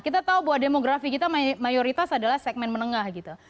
kita tahu bahwa demografi kita mayoritas adalah segmen menengah gitu